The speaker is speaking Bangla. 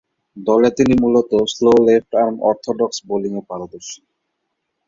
দলে তিনি মূলতঃ স্লো লেফট-আর্ম অর্থোডক্স বোলিংয়ে পারদর্শী।